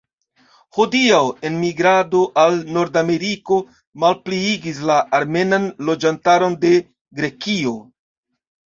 Hodiaŭ, enmigrado al Nordameriko malpliigis la armenan loĝantaron de Grekio.